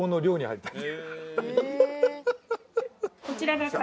こちらが。